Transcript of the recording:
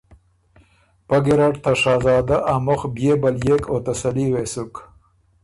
پۀ ګیرډ ته شهزاده ا مُخ بيې بليېک او تسلي وې سُک